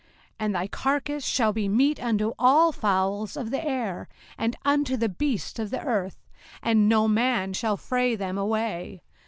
05:028:026 And thy carcase shall be meat unto all fowls of the air, and unto the beasts of the earth, and no man shall fray them away.